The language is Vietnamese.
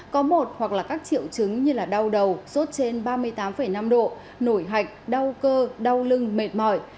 có một hoặc là các triệu chứng như đau đầu sốt trên ba mươi tám năm độ nổi hạch đau cơ đau lưng mệt mỏi